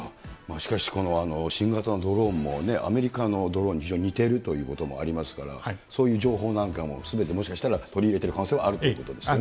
しかし、この新型のドローンも、アメリカのドローンに非常に似ているということもありますから、そういう情報なんかも、すべてもしかしたら取り入れている可能性はあるということですね。